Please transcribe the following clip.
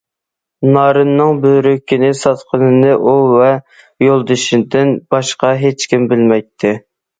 نارىننىڭ بۆرىكىنى ساتقىنىنى ئۇ ۋە يولدىشىدىن باشقا ھېچكىم بىلمەيتتى.